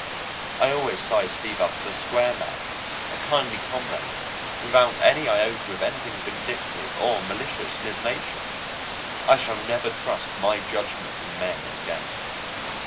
I always sized Steve up as a square man, a kindly comrade, without an iota of anything vindictive or malicious in his nature. I shall never trust my judgment in men again.